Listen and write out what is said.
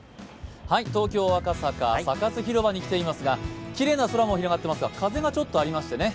東京・赤坂、サカス広場に来ていますがきれいな空も広がってますが風がちょっとありましてね